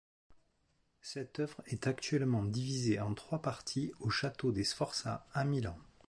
Cette œuvre est actuellement divisée en trois parties au château des Sforza à Milan.